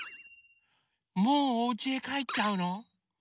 もうおうちへかえっちゃうの？